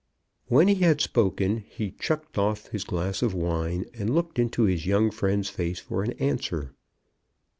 When he had spoken, he chucked off his glass of wine, and looked into his young friend's face for an answer.